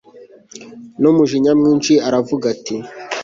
numujinya mwinshi aravuga ati